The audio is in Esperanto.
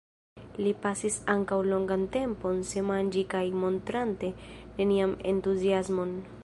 Li pasis ankaŭ longan tempon sen manĝi kaj montrante nenian entuziasmon.